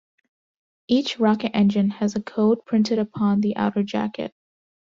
Each rocket engine has a code printed upon the outer jacket.